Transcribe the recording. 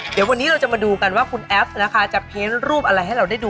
เดี๋ยววันนี้เราจะมาดูกันว่าคุณแอฟนะคะจะเพ้นรูปอะไรให้เราได้ดู